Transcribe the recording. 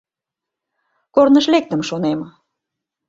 Корныш лектым, шонем.